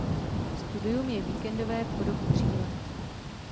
Studium je víkendové po dobu tří let.